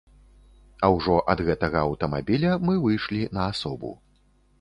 А ўжо ад гэтага аўтамабіля мы выйшлі на асобу.